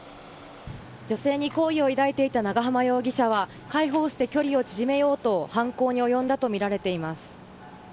女性に好意を抱いていた長浜容疑者は介抱をして距離を縮めようと犯行に及んだとみられています。